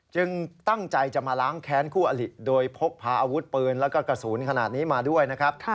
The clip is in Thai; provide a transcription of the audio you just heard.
ตั้งใจจะมาล้างแค้นคู่อลิโดยพกพาอาวุธปืนแล้วก็กระสุนขนาดนี้มาด้วยนะครับ